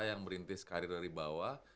yang merintis karir dari bawah